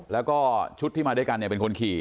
แล้วก็ชุดที่มาด้วยกันเป็นคนขี่